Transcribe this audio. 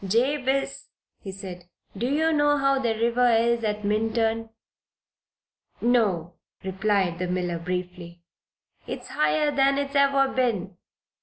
"Jabez," he said, "do you know how the river is at Minturn?" "No," returned the miller, briefly. "It's higher than it's ever been.